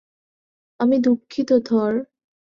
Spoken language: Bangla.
আমি দুঃখিত, থর।